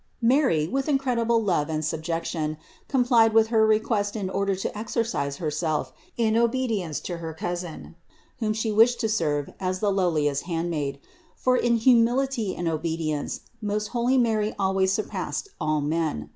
Mary with incredible love and subjection complied with her request in order to exercise Herself in obedience to her cousin, whom She wished to serve as the lowest handmaid; for in humility and obedience most holy Mary always sur passed all men.